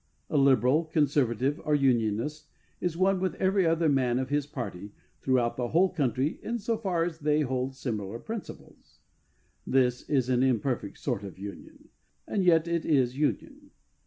A liberal, conservative, or unionist is one with every other man of his party throughout the whole country in so far as they hold similar principles. This is an imperfect sort of union. And yet it is union.